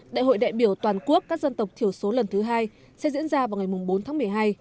đại hội đại biểu toàn quốc các dân tộc thiểu số lần thứ hai sẽ diễn ra vào ngày bốn tháng một mươi hai